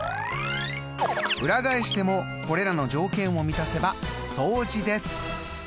裏返してもこれらの条件を満たせば相似です。